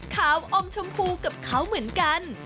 อมชมพูกับเขาเหมือนกัน